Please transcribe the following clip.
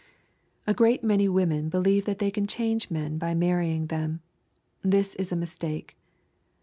A great many women believe that they can change men by marrying them. This is a mistake.